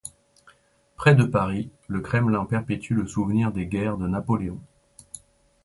Près de Paris, Le Kremlin perpétue le souvenir des guerres de Napoléon.